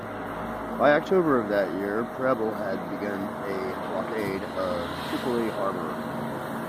By October of that year Preble had begun a blockade of Tripoli harbor.